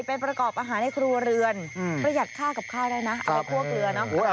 เป็นประกอบอาหารให้ครัวเรือนประหยัดค่ากับค่ายได้นะ